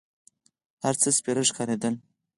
هر څه سپېره ښکارېدل.